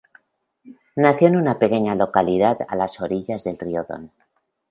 Nació en una pequeña localidad a las orillas del río Don.